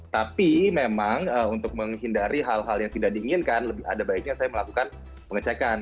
tapi memang untuk menghindari hal hal yang tidak diinginkan lebih ada baiknya saya melakukan pengecekan